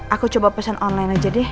aku coba pesan online aja deh